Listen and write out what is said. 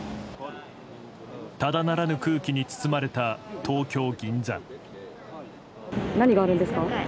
ただならぬ空気に包まれた東京・銀座。